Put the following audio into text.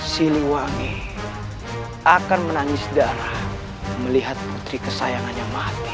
siliwangi akan menangis darah melihat putri kesayangannya mati